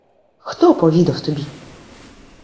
— Хто повідав тобі?